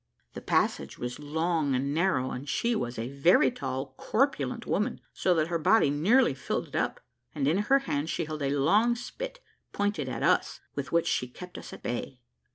The passage was long and narrow, and she was a very tall, corpulent woman, so that her body nearly filled it up, and in her hands she held a long spit pointed at us, with which she kept us at bay.